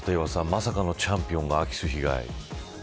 まさかのチャンピオンが空き巣被害。